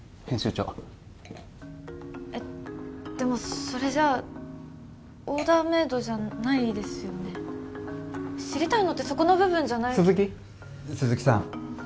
編集長えっでもそれじゃあオーダーメードじゃないですよね知りたいのってそこの部分じゃ鈴木鈴木さん